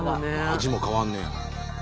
味も変わんねや。